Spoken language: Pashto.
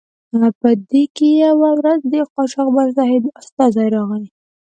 په دې کې یوه ورځ د قاچاقبر صاحب استازی راغی.